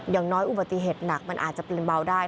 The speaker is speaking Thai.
อย่างน้อยอุบัติเหตุหนักมันอาจจะเป็นเบาได้